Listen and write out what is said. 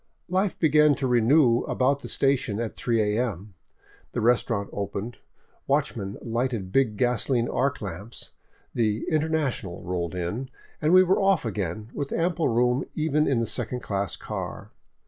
Life began to renew about the station at 3 a.m. The restaurant opened, watchmen lighted big gasoline arc lamps, the " International " rolled in, and we were ofT again, with ample room even in the second class car.